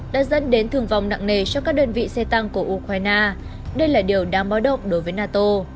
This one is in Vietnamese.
đã dẫn đến thương vong nặng nề cho các đơn vị xe tăng của ukraine đây là điều đáng báo động đối với nato